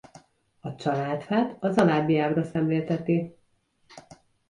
A családfát az alábbi ábra szemlélteti.